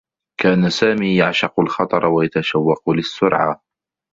كان سامي يعشق الخطر و يتشوّق للسّرعة.